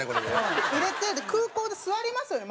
入れて空港で座りますよね